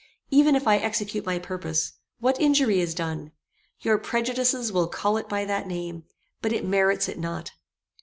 Even if I execute my purpose, what injury is done? Your prejudices will call it by that name, but it merits it not.